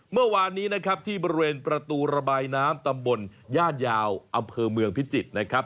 เมื่อวานนี้นะครับที่บริเวณประตูระบายน้ำตำบลย่านยาวอำเภอเมืองพิจิตรนะครับ